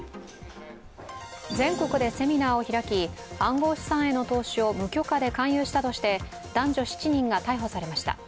全国でセミナーを開き、暗号資産への投資を無許可で販売したとして男女７人が逮捕されました。